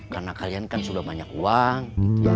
karena kalian kan sudah banyak uang